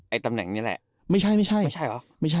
ไอ้ตำแหน่งนี้แหละ